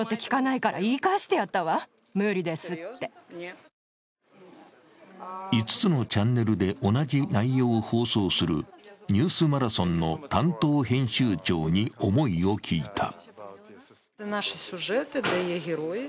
現場から帰ってきた記者は５つのチャンネルで同じ内容を放送する「ニュースマラソン」の担当編集長に思いを聞いた。